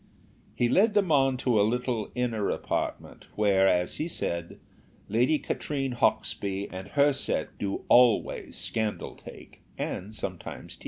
He led them on to a little inner apartment, where, as he said, Lady Katrine Hawksby and her set do always scandal take, and sometimes tea.